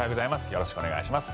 よろしくお願いします。